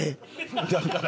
だから。